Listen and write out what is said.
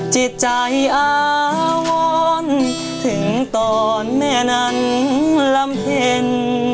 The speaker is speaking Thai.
จิตใจอาวรถึงตอนแม่นั้นลำเพ็ญ